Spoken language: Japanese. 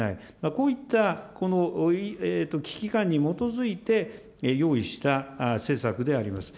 こういったこの危機感に基づいて用意した施策であります。